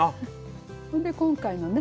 それで今回のね。